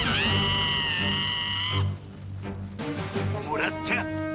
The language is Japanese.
もらった！